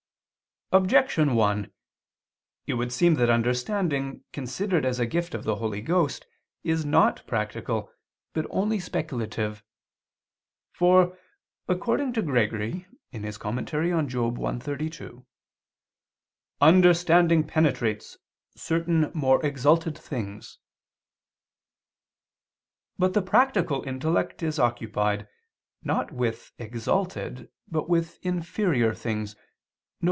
Objection 1: It would seem that understanding, considered as a gift of the Holy Ghost, is not practical, but only speculative. For, according to Gregory (Moral. i, 32), "understanding penetrates certain more exalted things." But the practical intellect is occupied, not with exalted, but with inferior things, viz.